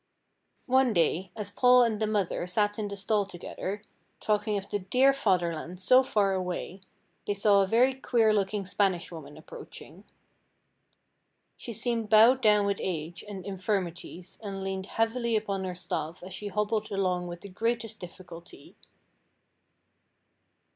One day, as Paul and the mother sat in the stall together, talking of the dear Fatherland so far away, they saw a very queer looking Spanish woman approaching. She seemed bowed down with age and infirmities, and leaned heavily upon her staff as she hobbled along with the greatest difficulty.